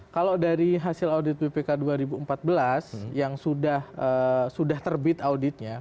kalau dari hasil audit bpk dua ribu empat belas yang sudah terbit auditnya